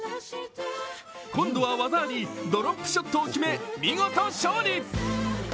今度は技ありドロップショットを決め、見事勝利。